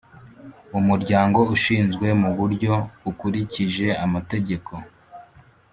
Umuryango ushinzwe mu buryo bukurikije amategeko